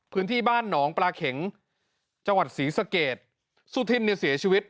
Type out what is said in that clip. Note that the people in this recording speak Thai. พื้นที่บ้านหนองปลาเข็งจังหวัดศรีสะเกดสุธินเนี่ยเสียชีวิต